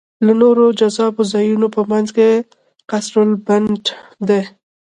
له نورو جذابو ځایونو په منځ کې قصرالبنت دی.